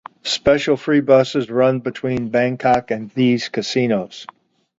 Special free buses run between Bangkok and these casinos.